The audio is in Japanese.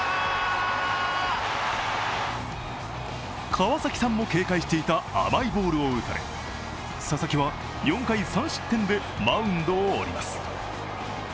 川崎さんも警戒していた甘いボールを打たれ、佐々木は４回３失点でマウンドを降ります。